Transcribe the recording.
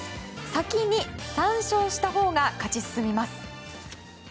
先に３勝したほうが勝ち進みます。